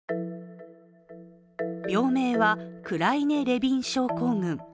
病名はクライネ・レビン症候群。